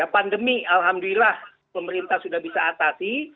pandemi alhamdulillah pemerintah sudah bisa atasi